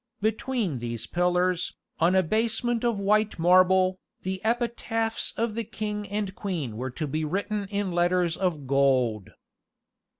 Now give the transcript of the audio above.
Between these pillars, on a basement of white marble, the epitaphs of the king and queen were to be written in letters of gold.